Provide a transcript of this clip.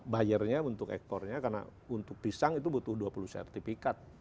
buyernya untuk ekornya karena untuk pisang itu butuh dua puluh sertifikat